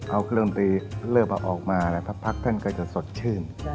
เอาเครื่องมือเลิฟเอาออกมาแล้วพักท่านก็จะสดชื่น